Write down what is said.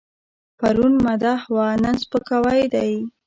پرون مدح وه، نن سپکاوی دی.